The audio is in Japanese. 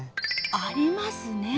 ありますね。